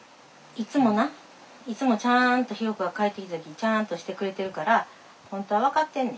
いつもないつもちゃんと寛子が帰ってきた時にちゃんとしてくれてるから本当は分かってんねん。